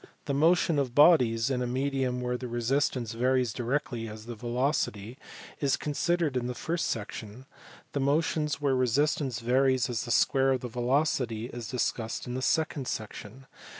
The motion of bodies in a medium where the resistance varies directly as the velocity is considered in the first section. The motion where the resistance varies as the square of the velocity is discussed in the second section.